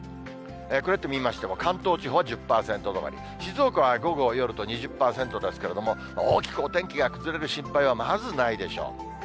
こうやって見ましても、関東地方１０％止まり、静岡は午後、夜と２０％ですけれども、大きくお天気が崩れる心配は、まずないでしょう。